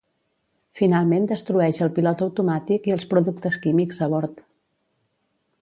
Finalment destrueix el pilot automàtic i els productes químics a bord.